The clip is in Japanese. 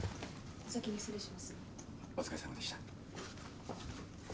お疲れさまでした。